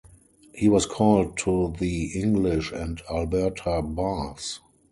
He was called to the English and Alberta bars.